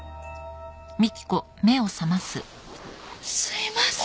すいません。